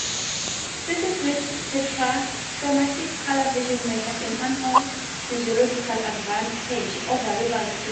Species with tetrachromatic color vision may have an unknown physiological advantage over rival species.